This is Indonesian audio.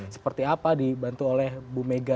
seperti apa dibantu oleh bu mega